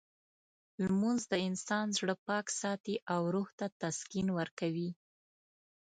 لمونځ د انسان زړه پاک ساتي او روح ته تسکین ورکوي.